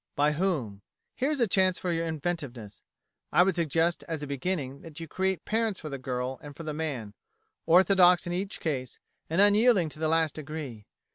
By whom? Here is a chance for your inventiveness. I would suggest as a beginning that you create parents for the girl and for the man orthodox in each case, and unyielding to the last degree.